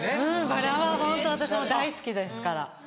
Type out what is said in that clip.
バラはホント私も大好きですから。